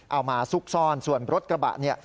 มาซุกซ่อนส่วนรถกระบะเนี่ย